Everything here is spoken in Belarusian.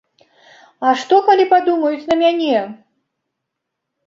А што, калі падумаюць на мяне?